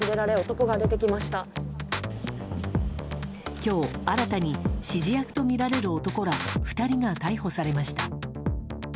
今日新たに指示役とみられる男ら２人が逮捕されました。